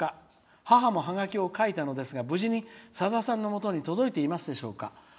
母もハガキを書いたのですが無事にさださんのもとに届いていますでしょうか？